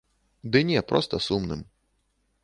Ды не, проста сумным.